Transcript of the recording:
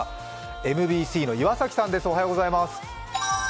ＭＢＣの岩崎さんです。